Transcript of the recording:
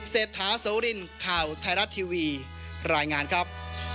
เศรษฐาโสรินข่าวไทยรัฐทีวีรายงานครับ